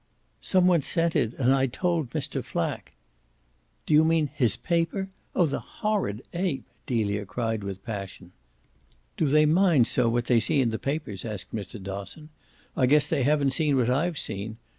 "Some one sent it, and I told Mr. Flack." "Do you mean HIS paper? Oh the horrid ape!" Delia cried with passion. "Do they mind so what they see in the papers?" asked Mr. Dosson. "I guess they haven't seen what I've seen.